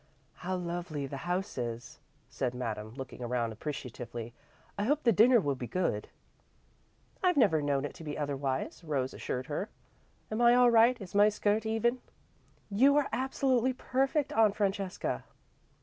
"How lovely the house is," said Madame, looking around appreciatively. "I hope the dinner will be good." "I've never known it to be otherwise," Rose assured her. "Am I all right? Is my skirt even?" "You are absolutely perfect, Aunt Francesca."